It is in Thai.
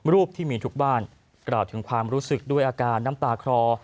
รูปที่มีทุกบ้านกล่าวถึงความรู้สึกด้วยอาการน้ำตาคลอ